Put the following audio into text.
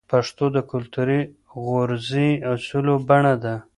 پښتو د کلتوري غورزی اصولو بڼه ده.